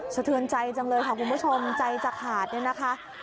สะเทือนใจจังเลยค่ะคุณผู้ชมใจจะขาดเนี่ยนะคะ